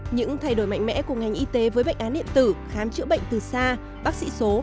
những thay đổi mạnh mẽ của ngành y tế với bệnh án điện tử khám chữa bệnh từ xa bác sĩ số